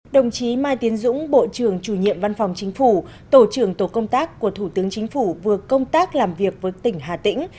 đồng chí mai tiến dũng bộ trưởng chủ nhiệm văn phòng chính phủ tổ trưởng tổ công tác của thủ tướng chính phủ vừa công tác làm việc với tỉnh hà tĩnh